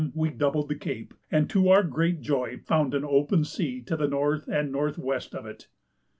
we doubled the cape, and to our great joy found an open sea to the north and north west of it.